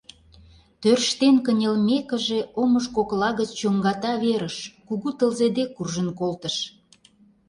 Тӧрштен кынелмекыже, омыж кокла гыч чоҥгата верыш — кугу тылзе дек – куржын колтыш.